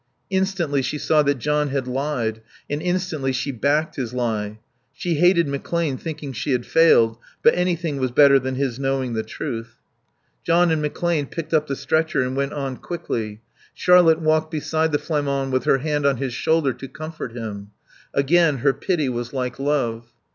Instantly she saw that John had lied, and instantly she backed his lie. She hated McClane thinking she had failed; but anything was better than his knowing the truth. John and McClane picked up the stretcher and went on quickly. Charlotte walked beside the Flamand with her hand on his shoulder to comfort him. Again her pity was like love.